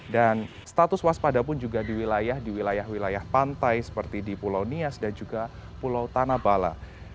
dan status waspada pun juga di wilayah wilayah pantai seperti di pulau nias dan juga pulau tanabala